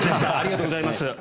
ありがとうございます。